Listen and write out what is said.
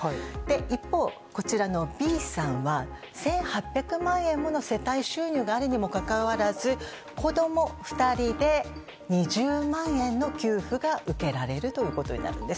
一方、こちらのＢさんは、１８００万円もの世帯収入があるにもかかわらず、子ども２人で２０万円の給付が受けられるということになるんです。